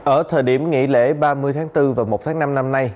ở thời điểm nghỉ lễ ba mươi tháng bốn và một tháng năm năm nay